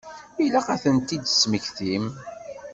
Ilaq ad tent-id-tesmektim.